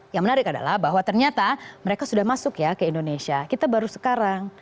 yang menarik adalah bahwa ternyata mereka sudah masuk ya ke indonesia kita baru sekarang